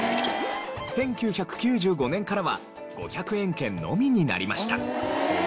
１９９５年からは５００円券のみになりました。